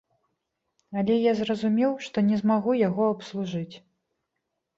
Але я зразумеў, што не змагу яго абслужыць.